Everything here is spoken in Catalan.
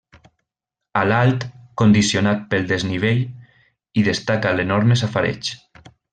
A l'alt, condicionat pel desnivell, hi destaca l'enorme safareig.